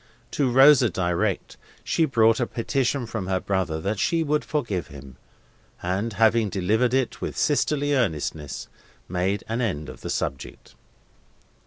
To Rosa direct, she brought a petition from her brother that she would forgive him; and, having delivered it with sisterly earnestness, made an end of the subject.